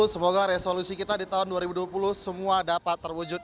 semoga resolusi kita di tahun dua ribu dua puluh semua dapat terwujud